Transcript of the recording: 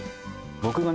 僕がね